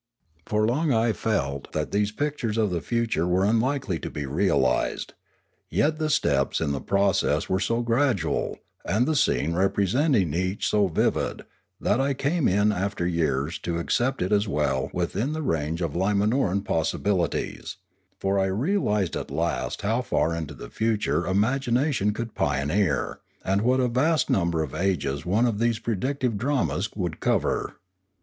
For long I felt that these pictures of the future were unlikely to be realised. Yet the steps in the process were so gradual, and the scene representing each so vivid that I came in after years to accept it as well within the range of Limanoran possibilities; for I real ised at last how far into the future imagination could pioneer, and what a vast number of ages one of these predictive dramas would cover.